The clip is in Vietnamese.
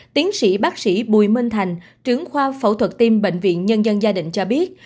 tiến sĩ bác sĩ bùi minh thành trưởng khoa phẫu thuật tim bệnh viện nhân dân gia đình cho biết